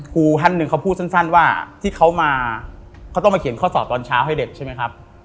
ครูท่านหนึ่งเขาพูดสั้นว่าที่เขามาเขาต้องมาเขียนข้อสอบตอนเช้าให้เด็กใช่ไหมครับ